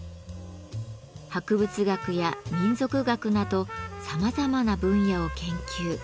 博物学や民俗学などさまざまな分野を研究。